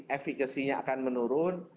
efekasinya akan menurun